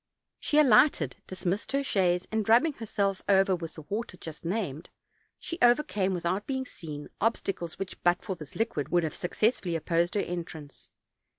She alighted, 268 OLD, OLD FAIRY TALES. dismissed her chaise, and rubbing herself over with the water just named, she overcame, without being seen, ob stacles which, but for this liquid, would have successfully opposed her entrance.